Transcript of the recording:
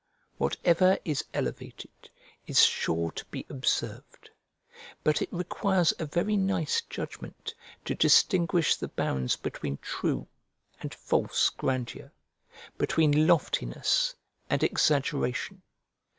Whatever is elevated is sure to be observed; but it requires a very nice judgment to distinguish the bounds between true and false grandeur; between loftiness and exaggeration.